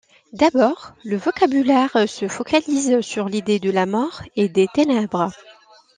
D'abord, le vocabulaire se focalise sur l'idée de la mort et des ténèbres.